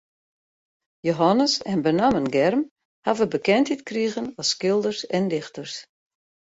Jehannes en benammen Germ hawwe bekendheid krigen as skilders en dichters.